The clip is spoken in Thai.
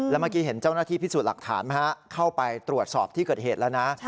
แล้วเมื่อกี้เห็นเจ้าหน้าที่พิสูจน์หลักฐานไหมฮะเข้าไปตรวจสอบที่เกิดเหตุแล้วนะ